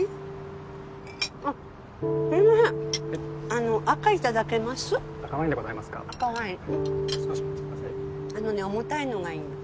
あのね重たいのがいいの。